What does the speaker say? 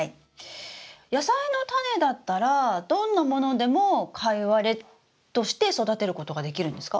野菜のタネだったらどんなものでもカイワレとして育てることができるんですか？